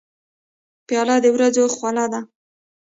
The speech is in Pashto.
پیاله د ورځو خواله ده.